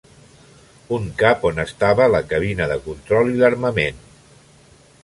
Un cap on estava la cabina de control i l'armament.